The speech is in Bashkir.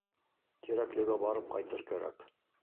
Тирәклегә барып ҡайтыр кәрәк.